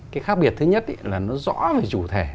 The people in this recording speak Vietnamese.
cái khác biệt thứ nhất là nó rõ về chủ thể